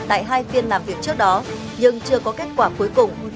tại hai phiên làm việc trước đó nhưng chưa có kết quả cuối cùng